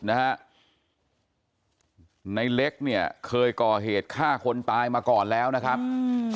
ในเล็กเนี่ยเคยก่อเหตุฆ่าคนตายมาก่อนแล้วนะครับอืม